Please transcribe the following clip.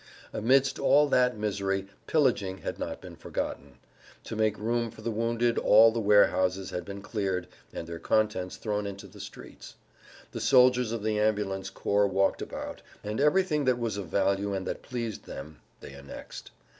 Amidst all that misery pillaging had not been forgotten. To make room for the wounded all the warehouses had been cleared and their contents thrown into the streets. The soldiers of the ambulance corps walked about, and everything that was of value and that pleased them they annexed.